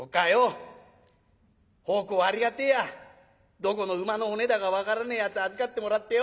どこの馬の骨だか分からねえやつ預かってもらってよ。